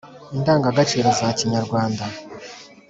indangagaciro za Kinyarwanda